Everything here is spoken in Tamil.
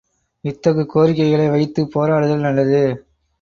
இத்தகு கோரிக்கைகளை வைத்துப் போராடுதல் நல்லது.